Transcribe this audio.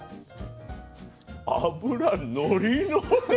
脂のりのり。